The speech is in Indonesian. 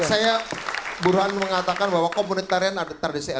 saya buruan mengatakan bahwa komunitarian ada terdesak